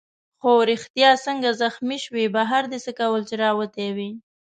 هو ریښتیا څنګه زخمي شوې؟ بهر دې څه کول چي راوتی وې؟